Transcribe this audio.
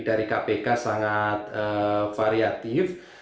dari kpk sangat variatif